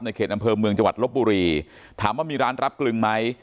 เขตอำเภอเมืองจังหวัดลบบุรีถามว่ามีร้านรับกลึงไหม